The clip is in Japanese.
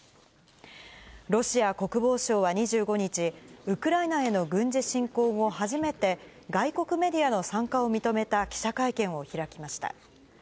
ロシア国防省は２５日、ウクライナへの軍事侵攻後初めて、外国メディアの参加を認めた記者会見を開きました。